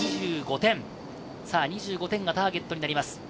２５点がターゲットになります。